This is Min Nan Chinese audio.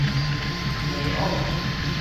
嬭枉